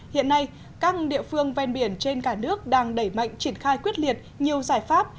hiện nay các địa phương ven biển trên cả nước đang đẩy mạnh triển khai quyết liệt nhiều giải pháp